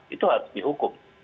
itu harus dihukum